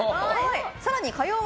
更に火曜笑